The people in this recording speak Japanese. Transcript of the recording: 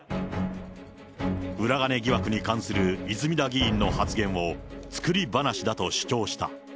裏金疑惑に関する泉田議員の発言を、作り話だと主張した。